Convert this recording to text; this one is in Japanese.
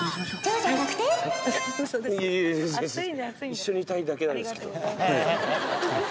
一緒にいたいだけなんですけど。